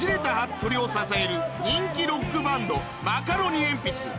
とりを支える人気ロックバンドマカロニえんぴつ